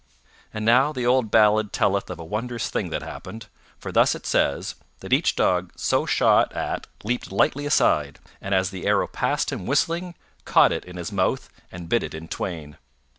And now the old ballad telleth of a wondrous thing that happened, for thus it says, that each dog so shot at leaped lightly aside, and as the arrow passed him whistling, caught it in his mouth and bit it in twain.